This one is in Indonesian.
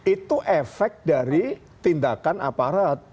itu efek dari tindakan aparat